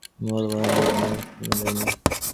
ও কেবল মহিনকে লইয়াই আছে, বউ আনিবার কথা মনেও স্থান দেয় না।